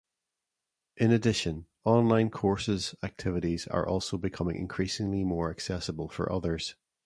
In addition online courses activities are also becoming increasingly more accessible for others.